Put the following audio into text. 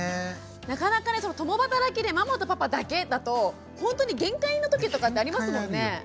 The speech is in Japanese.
なかなかね共働きでママとパパだけだとほんとに限界のときとかってありますもんね。